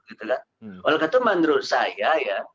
oleh karena itu menurut saya ya